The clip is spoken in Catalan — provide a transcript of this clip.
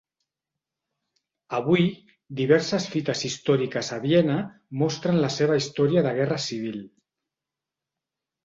Avui, diverses fites històriques a Viena mostren la seva història de Guerra Civil.